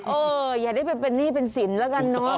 เอออย่าได้เป็นหนี้เป็นสินแล้วกันเนอะ